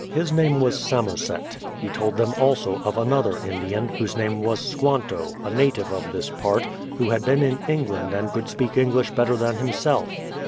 His name was Samoset; he told them also of another Indian, whose name was Squanto, a native of this part, who had been in England and could speak English better than himself.